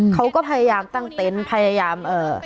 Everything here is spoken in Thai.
เขาก็พยายามตั้งเต้นพยายาม